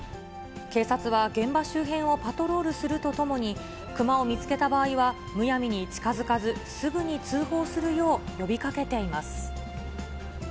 警察は現場周辺をパトロールするとともに、熊を見つけた場合は、むやみに近づかず、すぐに通報するよう呼びかけています。